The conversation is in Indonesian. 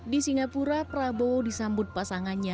di singapura prabowo disambut pasangannya